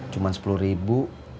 cuman sepuluh ribu